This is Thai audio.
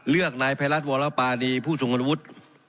เลือกนายพัยรัฐวรปานีผู้สุงฆนวุฒิ